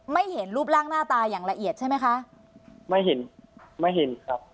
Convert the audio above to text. เห็นรูปร่างหน้าตาอย่างละเอียดใช่ไหมคะไม่เห็นไม่เห็นครับ